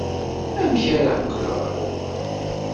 Amek ara qqleɣ ɣer uxxam?